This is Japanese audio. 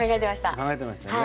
考えてましたよね。